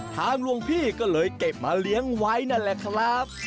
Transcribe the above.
หลวงพี่ก็เลยเก็บมาเลี้ยงไว้นั่นแหละครับ